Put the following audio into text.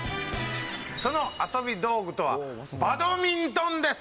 その遊び道具とは、バドミントンです。